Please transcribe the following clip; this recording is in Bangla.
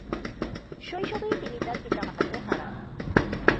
শৈশবেই তিনি তাঁর পিতা-মাতাকে হারান।